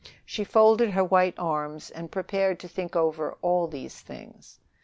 She folded her white arms and prepared to think over all these things.